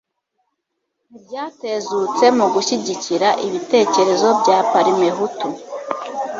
ntibyatezutse mu gushyigikira ibitekerezo bya parmehutu